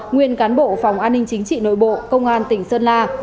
nguyên cán bộ phòng an ninh chính trị nội bộ công an tỉnh sơn la